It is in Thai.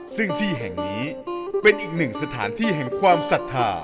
ซึ่งที่แห่งนี้เป็นอีกหนึ่งสถานที่แห่งความศรัทธา